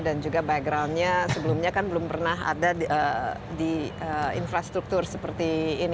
juga backgroundnya sebelumnya kan belum pernah ada di infrastruktur seperti ini